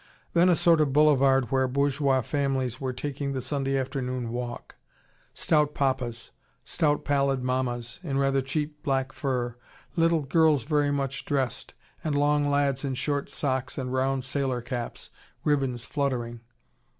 Then a sort of boulevard where bourgeois families were taking the Sunday afternoon walk: stout papas, stout, pallid mamas in rather cheap black fur, little girls very much dressed, and long lads in short socks and round sailor caps, ribbons fluttering.